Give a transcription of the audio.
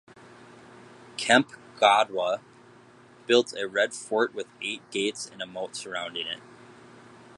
Kempe Gowda built a red fort with eight gates and a moat surrounding it.